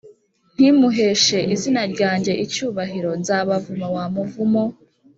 ntimuheshe izina ryanjye icyubahiro nzabavuma wa muvumo